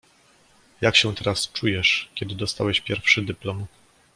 Jak się teraz czujesz, kiedy dostałeś pierwszy dyplom?